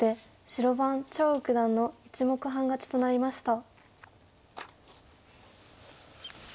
白番張栩九段の１目半勝ちとなりました。